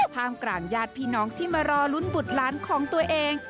ท่ามกลางญาติพี่น้องที่มารอลุ้นบุตรหลานของตัวเอง